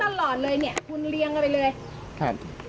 เขาตลอดเลยเนี่ยคุณเลี้ยงกันไปเลยค่ะ